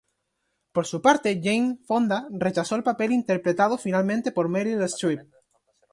Por su parte, Jane Fonda rechazó el papel interpretado finalmente por Meryl Streep.